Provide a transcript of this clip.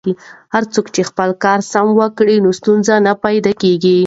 که هر څوک خپل کار سم وکړي نو ستونزه نه پاتې کیږي.